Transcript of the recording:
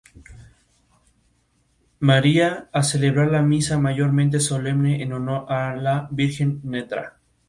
Maria, a celebrar la misa mayor solemne en honor a la virgen Ntra.